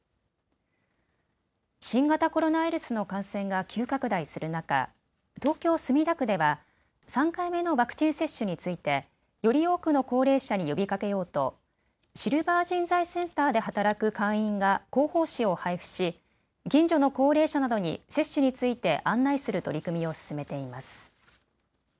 新型コロナウイルスの感染が急拡大する中、東京墨田区では３回目のワクチン接種についてより多くの高齢者に呼びかけようとシルバー人材センターで働く会員が広報誌を配付し近所の高齢者などに接種について案内する取り組みを進めています。